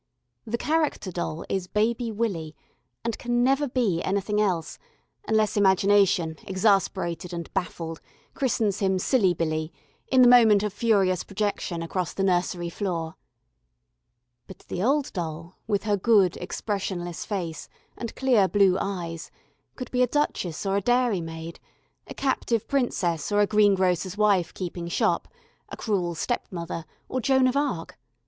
The character doll is Baby Willy, and can never be anything else, unless imagination, exasperated and baffled, christens him Silly Billy in the moment of furious projection across the nursery floor. But the old doll, with her good, expressionless face and clear blue eyes, could be a duchess or a dairymaid, a captive princess or a greengrocer's wife keeping shop, a cruel stepmother or Joan of Arc.